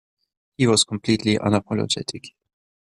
He was completely unapologetic.